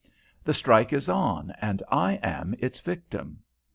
The strike is on, and I am its victim.